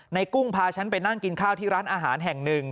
กุ้งพาฉันไปนั่งกินข้าวที่ร้านอาหารแห่งหนึ่ง